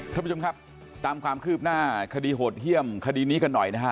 ท่านผู้ชมครับตามความคืบหน้าคดีโหดเยี่ยมคดีนี้กันหน่อยนะฮะ